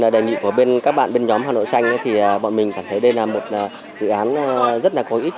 đề nghị của các bạn bên nhóm hà nội xanh thì bọn mình cảm thấy đây là một dự án rất là có ích